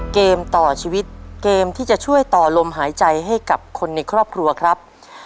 เกมต่อชีวิตเกมที่จะช่วยต่อลมหายใจให้กับคนในครอบครัวครับ